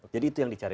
jadi itu yang dicari